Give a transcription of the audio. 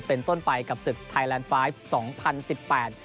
เป็นต้นไปกับศึกไทยแลนด์ไฟล์สองพันสิบแปด